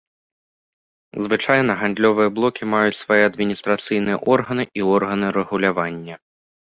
Звычайна гандлёвыя блокі маюць свае адміністрацыйныя органы і органы рэгулявання.